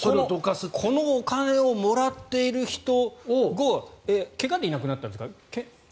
このお金をもらっている人を怪我でいなくなったんですか？